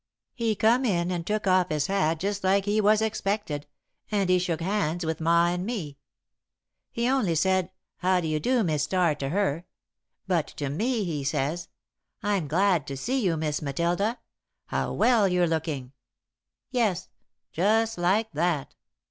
He come in and took off his hat just like he was expected, and he shook hands with Ma and me. He only said 'How do you do Mis' Starr?' to her, but to me, he says: 'I'm glad to see you, Miss Matilda. How well you're looking!' Yes just like that.